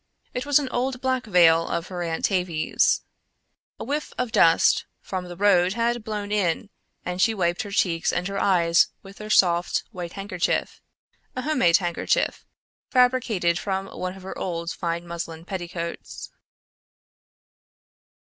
It was an old black veil of her Aunt Tavie's. A whiff of dust from the road had blown in and she wiped her cheeks and her eyes with her soft, white handkerchief, a homemade handkerchief, fabricated from one of her old fine muslin petticoats.